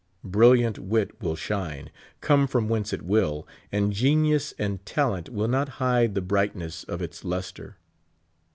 Brilliant wit will shine, come from whence it will ; and genius and talent will not hide the brightness of its lustre.